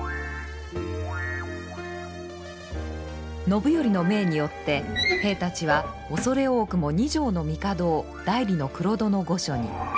信頼の命によって兵たちは恐れ多くも二条帝を内裏の黒戸御所に。